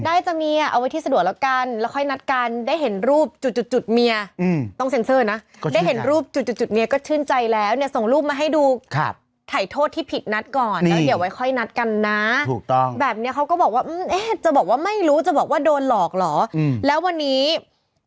ได้เจ้าเมียเอาไว้ที่สะดวกแล้วกันแล้วค่อยนัดกันได้เห็นรูปจุดจุดจุดเมีย